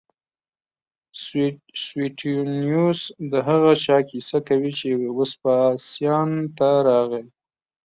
سویټونیوس د هغه چا کیسه کوي چې وسپاسیان ته راغی